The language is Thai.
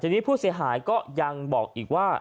ทีนี้ผู้เสียหายก็ยังบอกอีกว่า